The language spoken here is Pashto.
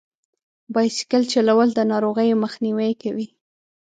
بایسکل چلول د ناروغیو مخنیوی کوي.